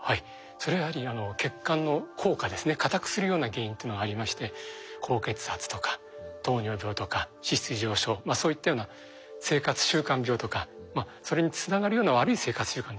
それはやはり血管の硬化ですね硬くするような原因というのがありまして高血圧とか糖尿病とか脂質異常症そういったような生活習慣病とかそれにつながるような悪い生活習慣ですね